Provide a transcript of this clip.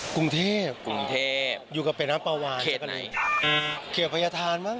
กรุงเทพฯอยู่กับเปรตนักประวานจักรีย์โอ้โฮ